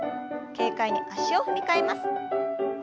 軽快に脚を踏み替えます。